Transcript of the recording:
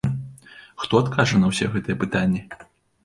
Хто адкажа на ўсе гэтыя пытанні?